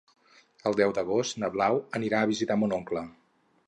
El deu d'agost na Blau anirà a visitar mon oncle.